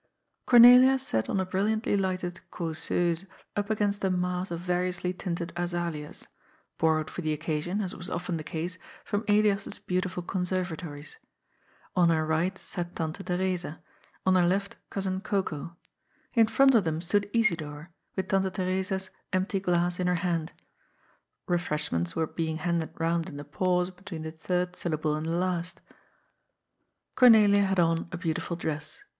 Cornelia sat on a brilliantly lighted '^causeuse" up against a mass of variously tinted azaleas (borrowed for the occasion, as was often the case, from Elias's beautiful con servatories). On her right sat Tante Theresa, on her left Cousin Cocoa. In front of them stood Isidor, with Tante Theresa's empty glass in her hand. Sefreshments were be ing handed round in the pause between the third syllable and the last. 808 GOD'S FOOL, Cornelia had on a beantifal dress.